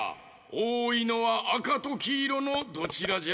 おおいのはあかときいろのどちらじゃ？